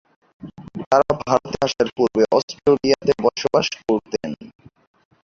তারা ভারতে আসার পূর্বে অস্ট্রেলিয়াতে বসবাস করতেন।